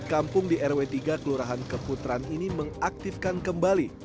kampung di rw tiga kelurahan keputaran ini mengaktifkan kembali